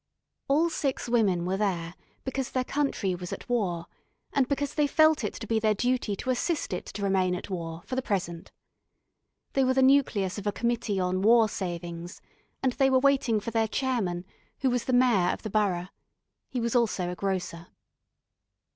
All six women were there because their country was at war, and because they felt it to be their duty to assist it to remain at war for the present. They were the nucleus of a committee on War Savings, and they were waiting for their Chairman, who was the Mayor of the borough. He was also a grocer.